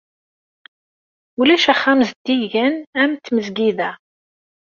Ulac axxam zeddigen am tmezgida.